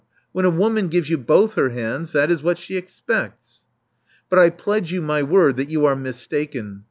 When a woman gives you both her hands, that is what she expects. *' ''But I pledge you my word that you are mistaken.